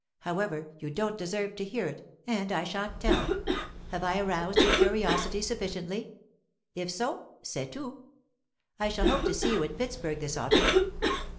However, you don't deserve to hear it, and I shan't tell. Have I aroused your curiosity sufficiently? If so, c'est tout. 'I shall hope to see you in Pittsburg this autumn.